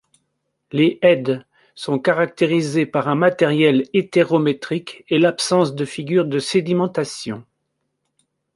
Les heads sont caractérisés par un matériel hétérométrique et l'absence de figures de sédimentation.